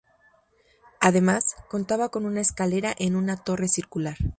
Además, contaba con una escalera en una torre circular.